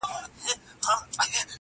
o يوه ورځ د بلي مور ده٫